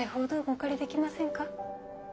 お借りできませんか？